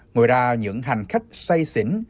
ngoài ra những hành khách say xỉn